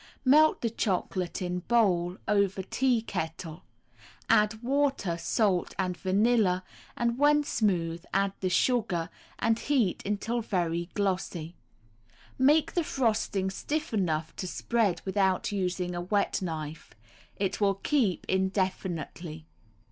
Melt chocolate in bowl over tea kettle, add water, salt and vanilla, and when smooth add the sugar, and heat until very glossy. Make the frosting stiff enough to spread without using a wet knife. It will keep indefinitely.